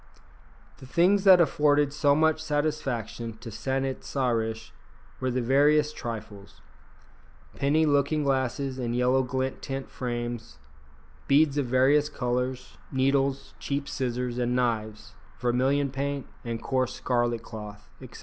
The things that afforded so much satisfaction to San it sa rish were the veriest trifles. Penny looking glasses in yellow gilt tin frames, beads of various colours, needles, cheap scissors and knives, vermilion paint, and coarse scarlet cloth, etc.